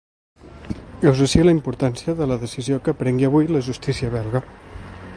Heus ací la importància de la decisió que prengui avui la justícia belga.